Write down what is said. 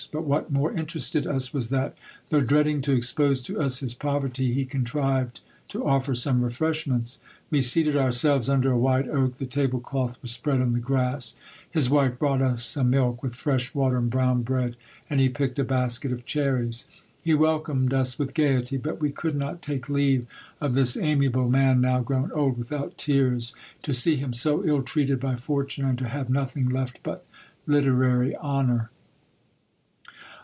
But what more interested us was, that, though dreading to expose to us his poverty, he contrived to offer some refreshments. We seated ourselves under a wide oak, the table cloth was spread on the grass, his wife brought us some milk, with fresh water and brown bread, and he picked a basket of cherries. He welcomed us with gaiety, but we could not take leave of this amiable man, now grown old, without tears, to see him so ill treated by fortune, and to have nothing left but literary honour!"